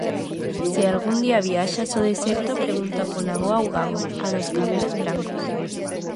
Se algún día viaxas ao deserto pregunta pola Avoa Ugago, a dos cabelos brancos.